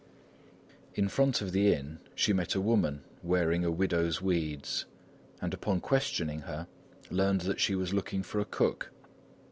In front of the inn, she met a woman wearing widow's weeds, and upon questioning her, learned that she was looking for a cook.